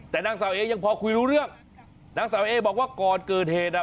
แต่นางสาวเอยังพอคุยรู้เรื่องนางสาวเอบอกว่าก่อนเกิดเหตุอ่ะ